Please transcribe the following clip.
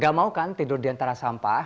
gak mau kan tidur diantara sampah